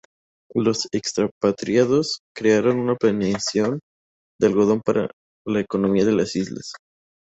Los expatriados crearon una plantación de algodón para la economía de las islas.